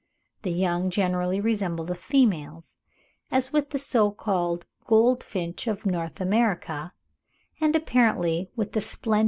the young generally resemble the females,—as with the so called goldfinch of North America, and apparently with the splendid Maluri of Australia.